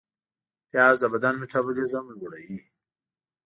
پیاز د بدن میتابولیزم لوړوي